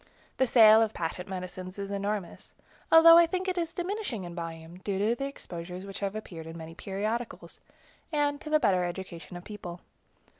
The sale of patent medicines is enormous, although I think it is diminishing in volume, due to the exposures which have appeared in many periodicals, and to the better education of the people.